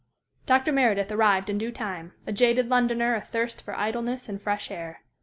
Dr. Meredith arrived in due time, a jaded Londoner athirst for idleness and fresh air.